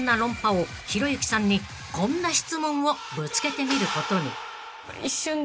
王ひろゆきさんにこんな質問をぶつけてみることに］